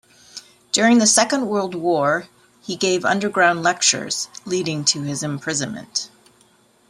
During the Second World War, he gave underground lectures, leading to his imprisonment.